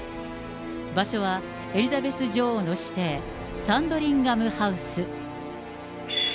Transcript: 場所は、エリザベス女王の私邸、サンドリンガム・ハウス。